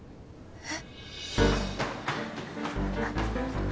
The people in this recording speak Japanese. えっ？